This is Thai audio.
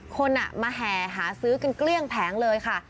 คนมาแห่หาซื้อกันเกลี้ยงแผงเลยค่ะ